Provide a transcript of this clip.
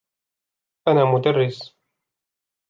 أنا مدرس.